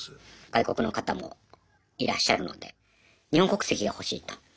外国の方もいらっしゃるので日本国籍が欲しいと。